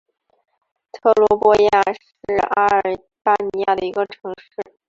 特罗波亚是阿尔巴尼亚的一个城市。